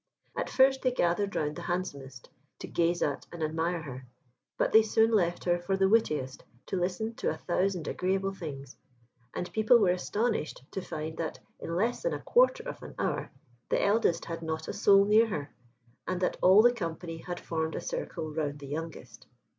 At first they gathered round the handsomest, to gaze at and admire her; but they soon left her for the wittiest, to listen to a thousand agreeable things; and people were astonished to find that, in less than a quarter of an hour, the eldest had not a soul near her, and that all the company had formed a circle round the youngest.